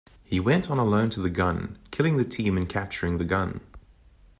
He went on alone to the gun, killing the team and capturing the gun.